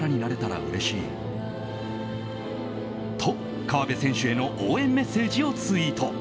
と、河辺選手への応援メッセージをツイート。